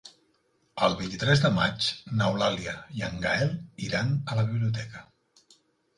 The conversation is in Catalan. El vint-i-tres de maig n'Eulàlia i en Gaël iran a la biblioteca.